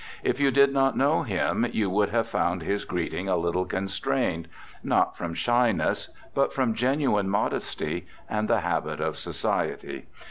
If you did not know him, you would have found his greeting a little constrained, not from shyness, but from genuine modesty and the habit of society.